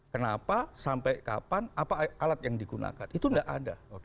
kenapa sampai kapan apa alat yang digunakan itu tidak ada